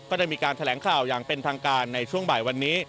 ได้มีการแถลงข่าวอย่างเป็นทางการในช่วงบ่ายวันนี้